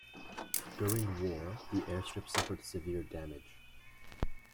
During war, the airstrip suffered severe damage.